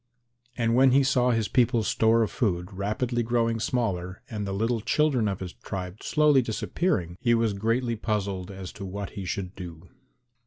And when he saw his people's store of food rapidly growing smaller and the little children of his tribe slowly disappearing, he was greatly puzzled as to what he should do.